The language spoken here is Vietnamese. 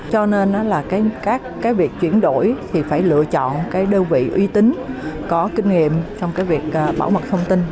cho nên các việc chuyển đổi thì phải lựa chọn đơn vị uy tín có kinh nghiệm trong việc bảo mật thông tin